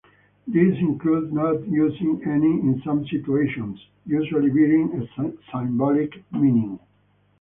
These include not using any in some situations, usually bearing a symbolic meaning.